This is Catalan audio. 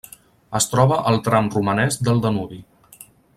Es troba al tram romanès del Danubi.